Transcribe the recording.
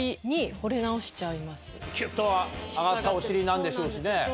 なんでしょうしね。